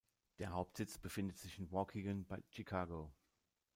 Der Hauptsitz befindet sich in Waukegan bei Chicago.